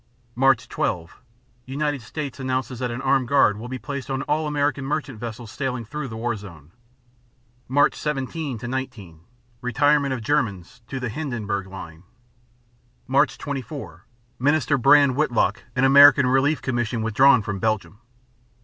_Mar. 12 United States announces that an armed guard will be placed on all American merchant vessels sailing through the war zone._ Mar. 17 19 Retirement of Germans to the "Hindenburg line" (page 118). _Mar. 24 Minister Brand Whitlock and American Relief Commission withdrawn from Belgium.